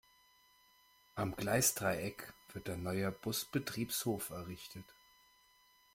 Am Gleisdreieck wird ein neuer Busbetriebshof errichtet.